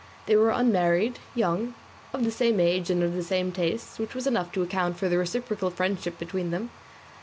They were unmarried, young, of the same age and of the same tastes, which was enough to account for the reciprocal friendship between them.